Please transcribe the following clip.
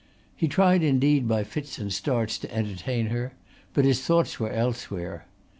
He tried indeed by fits and starts to entertain her, but his thoughts were elsewhere.